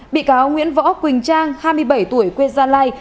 bị cáo nguyễn võ quỳnh trang hai mươi bảy tuổi quê gia lai